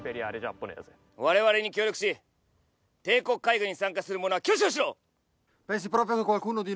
「われわれに協力し帝国海軍に参加する者は挙手をしろ」